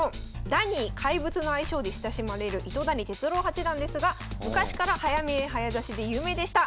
「ダニー」「怪物」の愛称で親しまれる糸谷哲郎八段ですが昔から早見え早指しで有名でした。